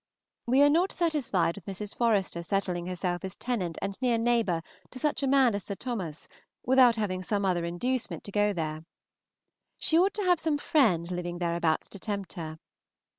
We are not satisfied with Mrs. Forester settling herself as tenant and near neighbor to such a man as Sir Thomas, without having some other inducement to go there. She ought to have some friend living thereabouts to tempt her.